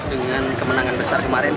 dengan kemenangan besar kemarin